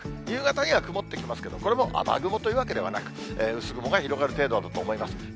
夕方には曇ってきますけど、これも雨雲というわけではなく、薄雲が広がる程度だと思います。